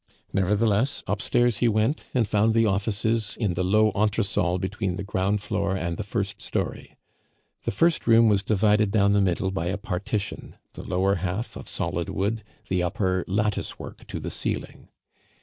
Nevertheless, upstairs he went, and found the offices in the low entresol between the ground floor and the first story. The first room was divided down the middle by a partition, the lower half of solid wood, the upper lattice work to the ceiling.